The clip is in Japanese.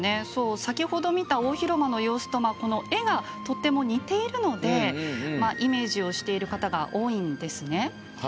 先ほど見た大広間の様子と絵がとても似ているのでイメージをしている方が多いんですね。